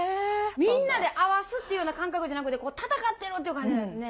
みんなで合わすっていうような感覚じゃなくて戦ってる！っていう感じなんですね。